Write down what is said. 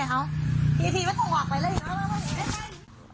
อีกทีไม่ต้องออกไปเลย